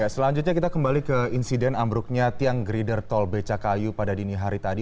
selanjutnya kita kembali ke insiden ambruknya tiang grider tol becakayu pada dini hari tadi